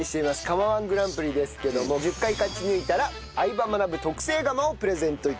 釜−１グランプリですけども１０回勝ち抜いたら『相葉マナブ』特製釜をプレゼント致します。